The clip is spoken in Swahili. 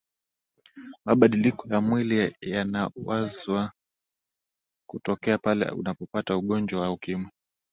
mabadiliko ya mwili yanawza kutokea pale unapopata ugonjwa wa ukimwi